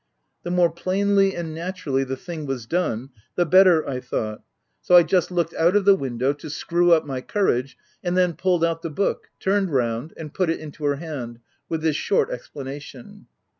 The more plainly and naturally the thing was done, the better, I thought ; so I just looked out of the window to screw up my courage, and then pulled out the book, turned round, and put it into her hand, with this short explanation.